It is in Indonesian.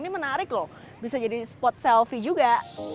ini menarik loh bisa jadi spot selfie juga